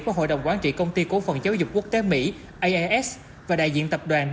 của hội đồng quán trị công ty cổ phần giáo dục quốc tế mỹ ias